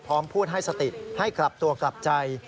พูดให้สติให้กลับตัวกลับใจ